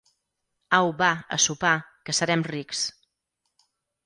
Au, va, a sopar, que serem rics.